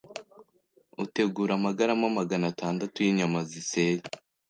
utegura amagarama magana tandatu y’inyama ziseye